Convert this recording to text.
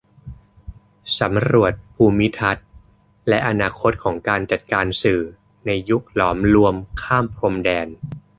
สำรวจภูมิทัศน์และอนาคตของการจัดการสื่อในยุคหลอมรวมข้ามพรมแดน